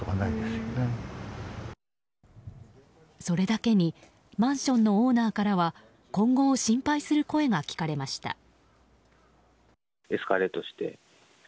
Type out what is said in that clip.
それだけにマンションのオーナーからは今後を心配する声が聞かれました。